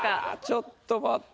ちょっと待って。